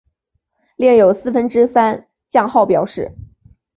另有四分之三降号表示。